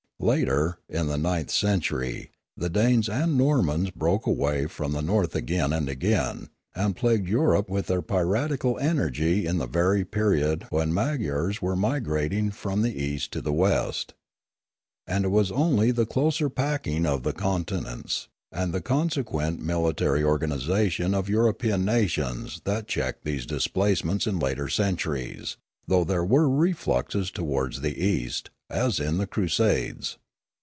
Later, in the ninth century,. the Danes and Normans broke away from the 3*8 Limanora north again and again, and plagued Europe with their piratical energy in the very period when the Magyars were migrating from the east to the west. And it was only the closer packing of the continents, and the consequent military organisation of European nations that checked these displacements in later centuries, though there were refluxes towards the east, as in the crusades.